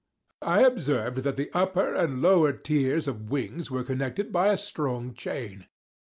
I observed that the upper and lower tiers of wings were connected by a strong chain.